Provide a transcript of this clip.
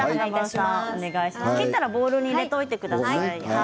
切ったらボウルに入れてください。